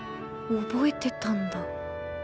覚えてたんだ